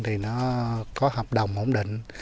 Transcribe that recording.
thì nó có hợp đồng ổn định